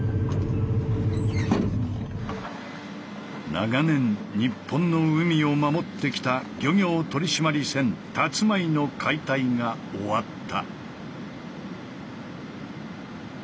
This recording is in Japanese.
長年日本の海を守ってきた漁業取締船たつまいの解体が終わった。